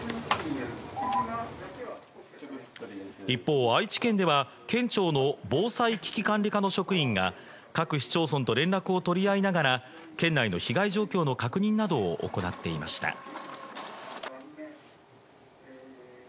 一方、愛知県では県庁の防災危機管理課の職員が各市町村と連絡を取り合いながら県内の被害状況の確認などを行っていました。